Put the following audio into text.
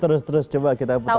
terus terus coba kita putar lagi